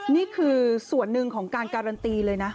นี่คือส่วนหนึ่งของการการันตีเลยนะ